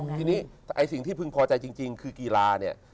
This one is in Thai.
ทีนี้ไอ้สิ่งที่พึงพอใจจริงคือกีฬาเนี่ย